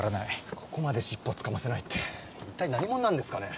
ここまで尻尾つかませないって一体何者なんですかね。